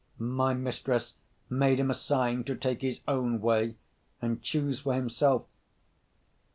My mistress made him a sign to take his own way, and choose for himself.